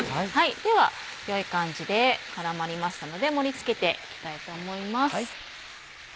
ではよい感じで絡まりましたので盛り付けていきたいと思います。